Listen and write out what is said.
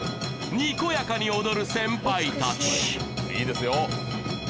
にこやかに踊る先輩たちいいですよ